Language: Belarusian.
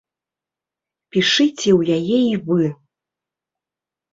Пішыце ў яе і вы.